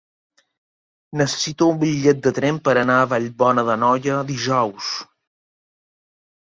Necessito un bitllet de tren per anar a Vallbona d'Anoia dijous.